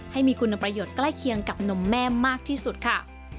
ให้มีคุณประโยชน์ใกล้เคียงกับนมแม่มากที่สุดค่ะ